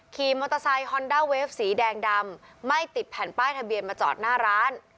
ขี่มอเตอร์ไซค์ฮอนด้าเวฟสีแดงดำไม่ติดแผ่นป้ายทะเบียนมาจอดหน้าร้าน